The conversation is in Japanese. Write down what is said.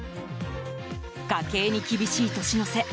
家計に厳しい年の瀬